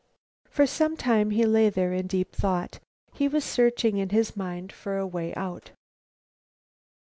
For some time he lay there in deep thought. He was searching in his mind for a way out.